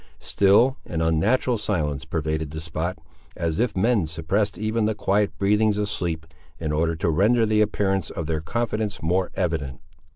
Still an unnatural silence pervaded the spot, as if men suppressed even the quiet breathings of sleep, in order to render the appearance of their confidence more evident.